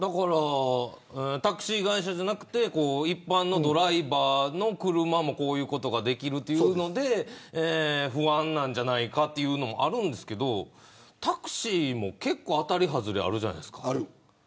タクシー会社じゃなくて一般のドライバーの車もこういうことができるというので不安なんじゃないかというのもあるんですけどタクシーも結構当たりはずれあるじゃないですか。